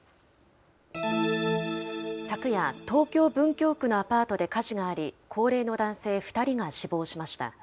昨夜、東京・文京区のアパートで火事があり、高齢の男性２人が死亡しました。